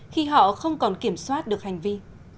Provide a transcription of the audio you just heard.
khi họ không còn kiểm soát được hành vi